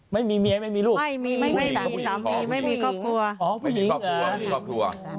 ไม่มีเมียไม่มีลูกไม่มีไม่มีสามีไม่มีครอบครัว